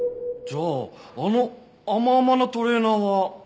じゃああの甘々なトレーナーは？